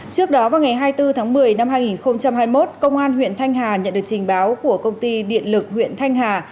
trước đó vào ngày hai mươi bốn tháng một mươi năm hai nghìn hai mươi một công an huyện thanh hà nhận được trình báo của công ty điện lực huyện thanh hà